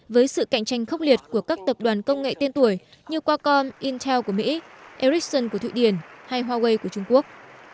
với sự cạnh tranh khốc liệt của các tập đoàn công nghệ tiên tuổi như qualcom intel của mỹ ericsson của thụy điển hay huawei của trung quốc